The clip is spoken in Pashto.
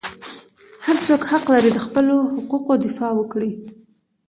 هر څوک حق لري د خپلو حقوقو دفاع وکړي.